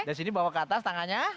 dari sini bawa ke atas tangannya